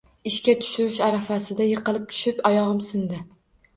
Ishga tushirish arafasida yiqilib tushib oyog`im sindi